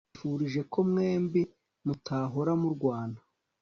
Nkwifurije ko mwembi mutahora murwana